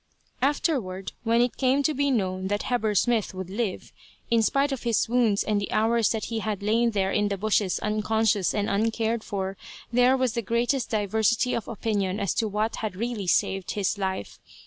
Afterward, when it came to be known that Heber Smith would live, in spite of his wounds and the hours that he had lain there in the bushes unconscious and uncared for, there was the greatest diversity of opinion as to what had really saved his life.